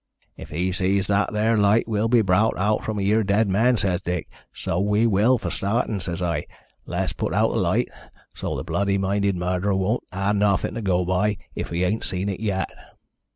'If he sees that there light we'll be browt out from heer dead men,' says Dick. 'So we will, for sartin,' says I. 'Let's put out th' light, so th' bloody minded murderer won't ha' narthin' to go by if he ain't seen it yet.'